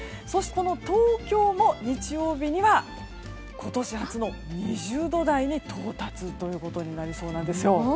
そして、東京も日曜日には今年初の２０台に到達ということになりそうなんですよ。